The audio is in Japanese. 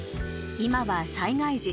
今は、災害時。